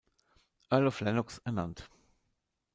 Earl of Lennox ernannt.